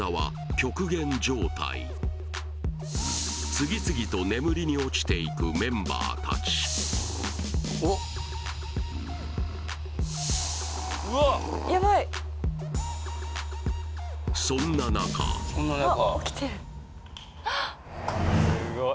次々と眠りに落ちていくメンバーたちそんな中起きてるあっすごい